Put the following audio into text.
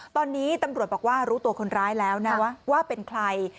ตอนนี้ตำรวจบอกว่ารู้ตัวคนร้ายแล้วนะว่าเป็นใคร